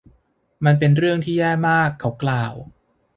มันเป็นเรื่องที่แย่มาก เขากล่าว